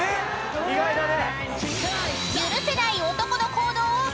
意外だね。